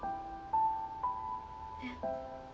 えっ？